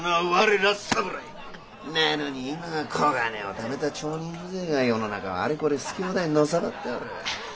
なのに今は小金をためた町人風情が世の中をあれこれ好き放題のさばっておる。